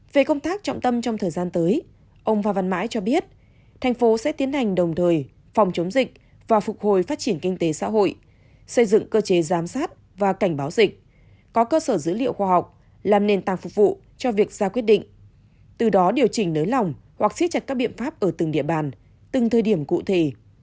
về công tác trọng tâm trong thời gian tới ông văn mãi cho biết thành phố sẽ tiến hành đồng thời phòng chống dịch và phục hồi phát triển kinh tế xã hội xây dựng cơ chế giám sát và cảnh báo dịch có cơ sở dữ liệu khoa học làm nền tảng phục vụ cho việc ra quyết định từ đó điều chỉnh nới lòng hoặc xiết chặt các biện pháp ở từng địa bàn từng thời điểm cụ thể